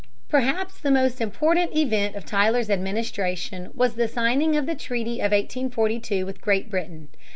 Perhaps the most important event of Tyler's administration was the signing of the Treaty of 1842 with Great Britain.